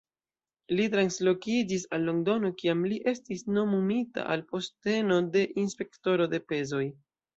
Li translokiĝis al Londono kiam li estis nomumita al posteno de Inspektoro de pezoj.